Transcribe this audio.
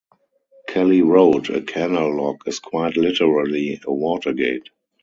Kelly wrote, a canal lock is quite literally, a water gate.